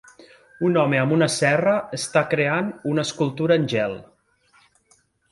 Un home amb una serra està creant una escultura en gel.